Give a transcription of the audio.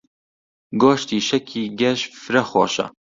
گۆشتی شەکی گێژ فرە خۆشە.